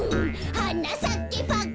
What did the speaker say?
「はなさけパッカン」